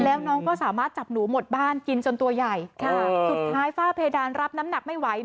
แล้วน้องก็สามารถจับหนูหมดบ้านกินจนตัวใหญ่ค่ะสุดท้ายฝ้าเพดานรับน้ำหนักไม่ไหว